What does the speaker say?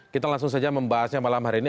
kita langsung saja membahasnya malam hari ini